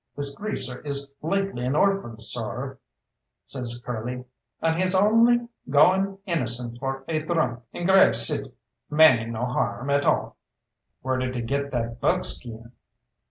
"This greaser is lately an orphan, sorr," says Curly, "an' he's only goin' innocent for a dhrunk in Grave City maning no harr m at all." "Where did he get that buckskin?"